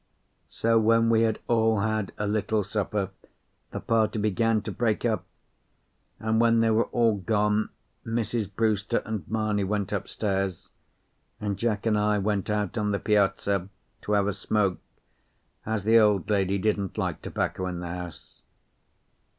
So when we had all had a little supper the party began to break up, and when they were all gone Mrs. Brewster and Mamie went upstairs, and Jack and I went out on the piazza to have a smoke, as the old lady didn't like tobacco in the house.